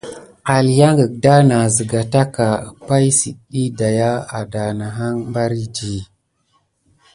Aliyanka da na ziga taka pay si diy daya adanah beridi.